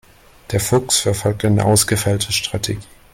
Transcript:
Der Fuchs verfolgt eine ausgefeilte Strategie.